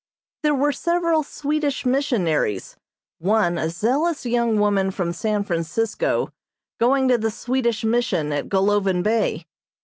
There were several Swedish missionaries; one, a zealous young woman from San Francisco, going to the Swedish Mission at Golovin Bay.